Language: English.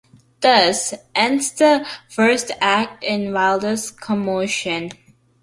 Thus ends the first act, in wildest commotion.